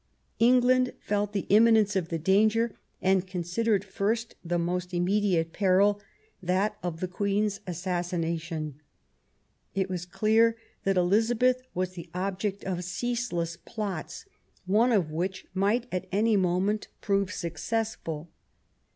England felt the imminence of the danger, and considered first the most immediate peril, that of the Queen's assassination. It was clear that Elizabeth was the object of ceaseless plots, one of which might THE CRISIS. 211 at any moment prove successful.